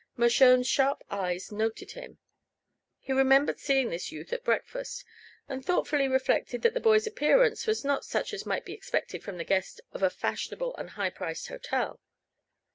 Mershone's sharp eyes noted him. He remembered seeing this youth at breakfast, and thoughtfully reflected that the boy's appearance was not such as might be expected from the guest of a fashionable and high priced hotel.